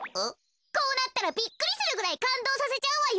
こうなったらびっくりするぐらいかんどうさせちゃうわよ。